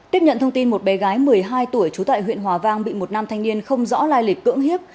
tiếp nhận thông tin một bé gái một mươi hai tuổi trú tại huyện hòa vang bị một nam thanh niên không rõ lai lịp cưỡng hiếp